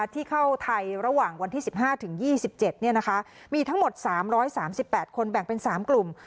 ที่เข้าไทยระหว่างวันที่๑๕๒๗มีทั้งหมด๓๓๘คนแบ่งเป็น๓กลุ่ม